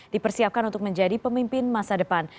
dipersiapkan untuk menjadi pemimpin masa depan